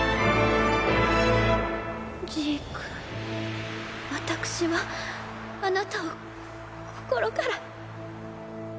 ジーク私はあなたを心から。